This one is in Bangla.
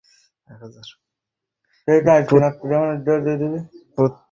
তাদের বিরুদ্ধে প্রমাণাদি পূর্ণ করার পর তাদেরকে কঠোরভাবে পাকড়াও করলেন।